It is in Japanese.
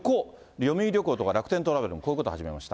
読売旅行とか、楽天トラベルもこういうことを始めました。